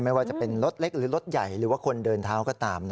ไม่ว่าจะเป็นรถเล็กหรือรถใหญ่หรือว่าคนเดินเท้าก็ตาม